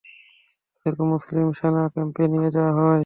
তাদেরকে মুসলিম সেনা ক্যাম্পে নিয়ে যাওয়া হয়।